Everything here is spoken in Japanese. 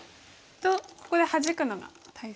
とここでハジくのが大切です。